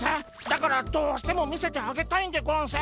だからどうしても見せてあげたいんでゴンス。